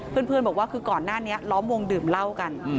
เพื่อนบอกว่าคือก่อนหน้านี้ล้อมวงดื่มเหล้ากัน